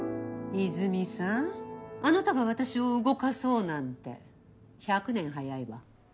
いづみさんあなたが私を動かそうなんて百年早いわ。